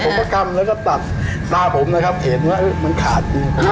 อยากลองผมกำแล้วก็ตัดตาผมเห็นไว้มันขาด